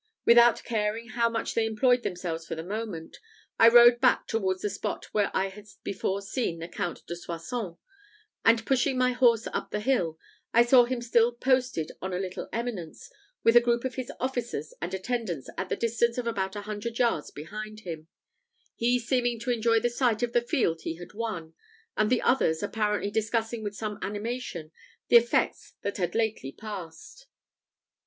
Without caring much how they employed themselves for the moment, I rode back towards the spot where I had before seen the Count de Soissons, and pushing my horse up the hill, I saw him still posted on a little eminence, with a group of his officers and attendants at the distance of about a dozen yards behind him he seeming to enjoy the sight of the field he had won, and the others apparently discussing with some animation the events that had lately passed.